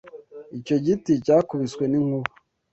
Icyo giti cyakubiswe n'inkuba.